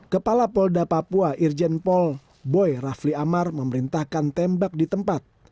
kepala polda papua irjen pol boy rafli amar memerintahkan tembak di tempat